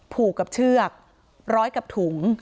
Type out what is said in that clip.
ผูกกับเชือกร้อยกับถุง